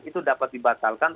itu dapat dibatalkan